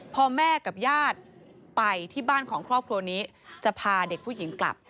พอแม่กับญาติไปที่บ้านของครอบครัวนี้จะพาเด็กผู้หญิงกลับ